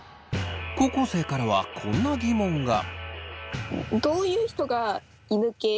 高校生からはこんな疑問が。